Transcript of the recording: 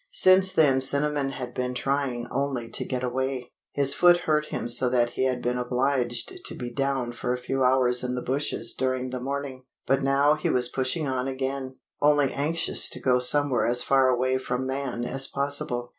Since then Cinnamon had been trying only to get away. His foot hurt him so that he had been obliged to be down for a few hours in the bushes during the morning; but now he was pushing on again, only anxious to go somewhere as far away from man as possible.